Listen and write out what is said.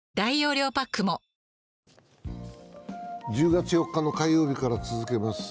１０月４日の火曜日から続けます。